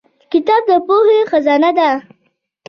کتاب د پوهې خزانه ده